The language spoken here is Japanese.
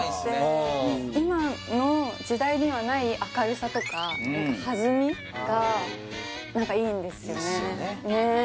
今の時代にはない明るさとか何か弾みが何かいいんですよねねえ